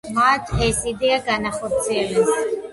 მათ ეს იდეა განახორციელეს.